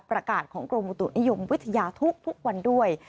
ประกาศของกรมอุตุนิยมวิทยาทุกวันด้วย